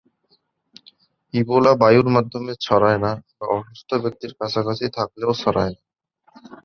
Ebola বায়ুর মাধ্যমে ছড়ায় না বা অসুস্থ ব্যক্তির কাছাকাছি থাকলেও ছড়ায় না।